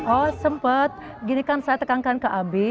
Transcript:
oh sempet gini kan saya tekankan ke abi